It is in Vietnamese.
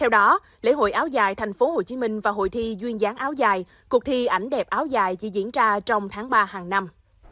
theo đó lễ hội áo dài tp hcm và hội thi duyên dáng áo dài cuộc thi ảnh đẹp áo dài chỉ diễn ra trong tháng ba hàng năm